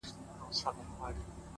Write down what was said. زې’ د يوه پرې سوي نوک لا هم عزت کومه’